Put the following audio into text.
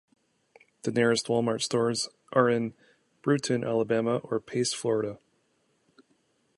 The nearest Walmart stores are in Brewton, Alabama or Pace, Fla.